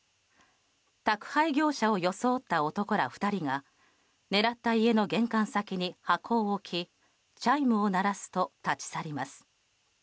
宅配業者を装った男ら２人が狙った家の玄関先に箱を置きチャイムを鳴らすと立ち去ります。